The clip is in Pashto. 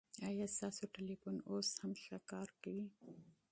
ایا ستاسو ټلېفون اوس هم ښه کار کوي؟